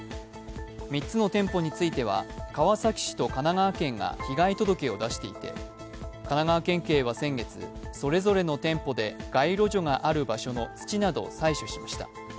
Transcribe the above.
３つの店舗については川崎市と神奈川県が被害届を出していて、神奈川県警は先月、それぞれの店舗で街路樹がある場所の土などを採取しました。